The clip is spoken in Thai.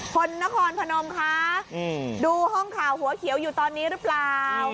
คนนครพนมคะดูห้องข่าวหัวเขียวอยู่ตอนนี้หรือเปล่า